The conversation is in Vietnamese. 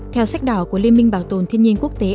theo sách đỏ của liên minh bảo tồn thiên nhiên quốc tế